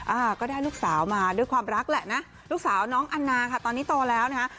อ่าก็ได้ลูกสาวมาด้วยความรักแหละนะลูกสาวน้องอันนาค่ะตอนนี้โตแล้วนะคะ